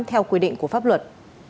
theo quy định của pháp luật